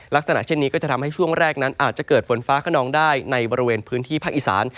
ลักษณะเช่นนี้ก็จะทำให้ช่วงแรกนั้นอาจจะเกิดฝนฟ้าขนองได้ในบริเวณพื้นที่ภาคอีสาน